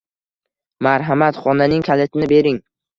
Marhamat, xonaning kalitini bering.